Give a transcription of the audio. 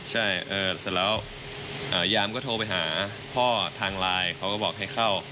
ใช่เสร็จแล้วยามก็โทรไปหาพ่อทางไลน์เขาก็บอกให้เข้า